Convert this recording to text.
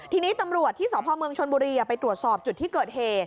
ทีนี้ตำรวจที่สพเมืองชนบุรีไปตรวจสอบจุดที่เกิดเหตุ